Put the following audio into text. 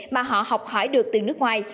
mà họ học hỏi được từ nước ngoài